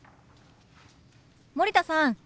森田さん